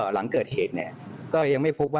หลังเกิดเหตุนี่ก็ยังไม่พบว่ามีการ